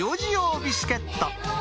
ビスケット